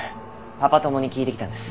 パパ友に聞いてきたんです。